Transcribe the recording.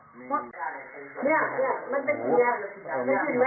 เนี้ยเนี้ยมันเป็นเนี้ยไม่กินไหมเนี้ยแล้วแสบนะด้วยโอ้ย